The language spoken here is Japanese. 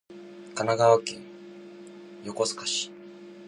神奈川県横須賀市